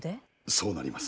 そうなります。